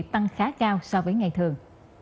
tăng khá cao so với ngày thường